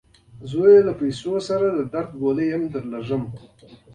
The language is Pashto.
زویه! پیسو سره درته د درد ګولۍ هم درلیږم.